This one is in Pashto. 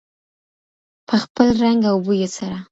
په خپل رنګ او بوی سره.